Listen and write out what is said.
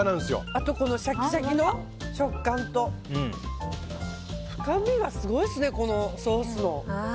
あと、シャキシャキの食感と深みがすごいですね、ソースの。